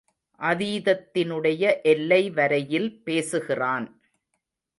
அதீதத்தினுடைய எல்லை வரையில் பேசுகிறான்!